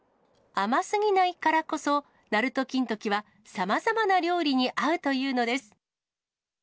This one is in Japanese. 甘すぎないからこそ、なると金時はさまざまな料理に合うというのです。